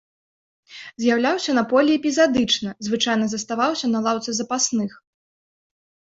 З'яўляўся на полі эпізадычна, звычайна заставаўся на лаўцы запасных.